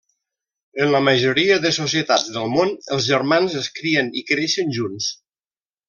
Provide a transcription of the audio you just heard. En la majoria de societats del món, els germans es crien i creixen junts.